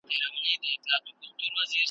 نور به نه ملوک سم نه د اوسپني څپلۍ لرم `